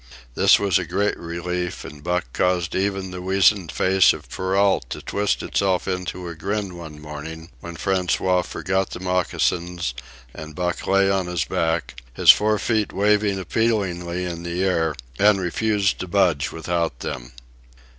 This was a great relief, and Buck caused even the weazened face of Perrault to twist itself into a grin one morning, when François forgot the moccasins and Buck lay on his back, his four feet waving appealingly in the air, and refused to budge without them.